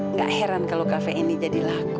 nggak heran kalau kafe ini jadi laku